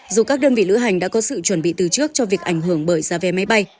dù các đơn vị lữ hành đã có sự chuẩn bị từ trước cho việc ảnh hưởng bởi giá vé máy bay